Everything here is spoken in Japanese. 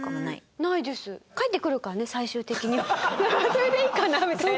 それでいいかなみたいな。